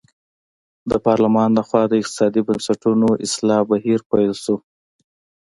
د پارلمان له خوا د اقتصادي بنسټونو اصلاح بهیر پیل شو.